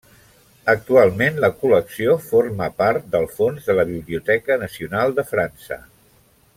Actualment la col·lecció forma part del fons de la Biblioteca Nacional de França.